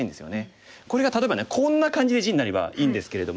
これが例えばこんな感じで地になればいいんですけれども。